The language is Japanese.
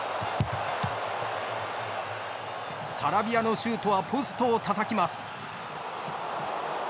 サラビアのシュートはポストをたたきます。